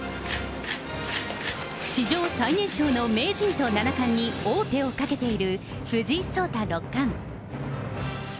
史上最年少の名人と七冠に王手をかけている、藤井聡太六冠。